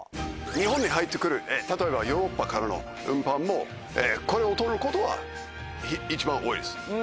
日本に入ってくる例えばヨーロッパからの運搬もこれを通ることは一番多いです。